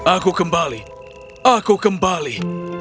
aku kembali aku kembali